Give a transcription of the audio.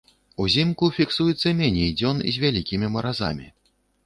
Узімку фіксуецца меней дзён з вялікімі маразамі.